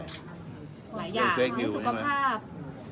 หลายอย่างสุขภาพ